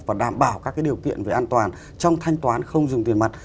và đảm bảo các điều kiện về an toàn trong thanh toán không dùng tiền mặt